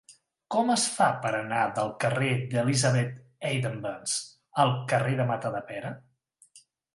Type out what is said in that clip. Com es fa per anar del carrer d'Elisabeth Eidenbenz al carrer de Matadepera?